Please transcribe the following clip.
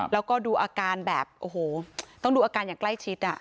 แล้วก็ดูอาการแบบโอ้โหต้องดูอาการอย่างใกล้ชิด